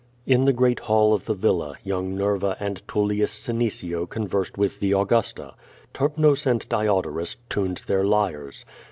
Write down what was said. Jn the great hall of the villa, young Xerva and Tulliiis Senecio conversed with the Augusta. Terpnos and Diodorus tuned their lyres.